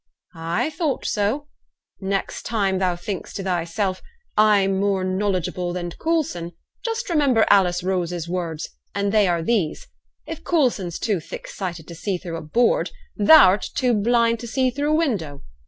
'I thought so. Next time thou thinks to thyself, 'I'm more knowledgeable than Coulson,' just remember Alice Rose's words, and they are these: If Coulson's too thick sighted to see through a board, thou'rt too blind to see through a window.